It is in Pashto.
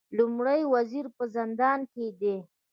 لومړی وزیر په زندان کې دی